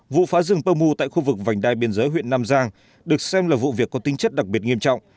vụ phá rừng pơ mu tại khu vực vành đai biên giới huyện nam giang được xem là vụ việc có tinh chất đặc biệt nghiêm trọng